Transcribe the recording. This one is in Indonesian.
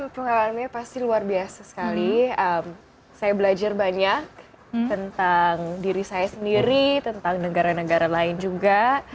pengalamannya pasti luar biasa sekali saya belajar banyak tentang diri saya sendiri tentang negara negara lain juga